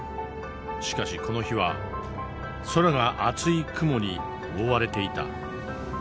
しかしこの日は空が厚い雲に覆われていた。